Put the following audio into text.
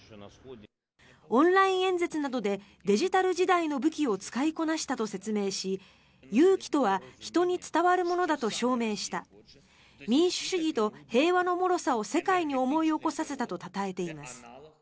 オンライン演説などでデジタル時代の武器を使いこなしたと説明し勇気とは人に伝わるものだと証明した民主主義と平和のもろさを世界に思い起こさせたとたたえています。